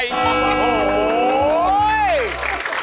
โอ้โห